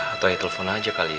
atau ya telepon aja kali ya